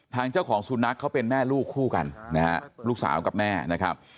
ทางเจ้าของสุนัขเขาเป็นแม่ลูกคู่กันนะฮะลูกสาวกับแม่นะครับ